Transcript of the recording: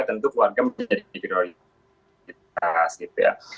tentu keluarga menjadi prioritas gitu ya